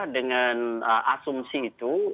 dengan asumsi itu